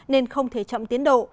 nên không thể chậm tiến độ